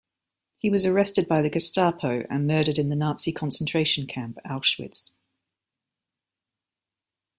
He was arrested by the Gestapo and murdered in the Nazi concentration camp Auschwitz.